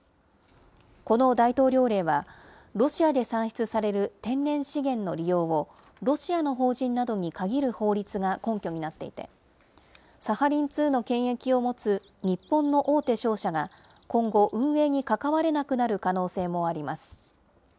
この大統領令は、ロシアで産出される天然資源の利用を、ロシアの法人などに限る法律が根拠になっていて、サハリン２の権益を持つ日本の大手商社が今後、運営に関われなくなる可能性もあります。